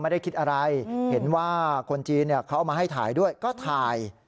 ไม่ได้คิดอะไรเห็นว่าคนจีนเขามาให้ถ่ายด้วย